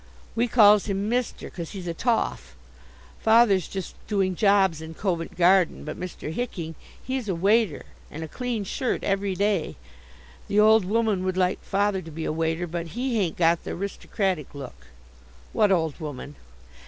We calls him mister, 'cause he's a toff. Father's just doing jobs in Covent Garden, but Mr. Hicking, he's a waiter, and a clean shirt every day. The old woman would like father to be a waiter, but he hain't got the 'ristocratic look." "What old woman?"